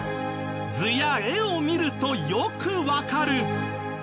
図や絵を見るとよくわかる！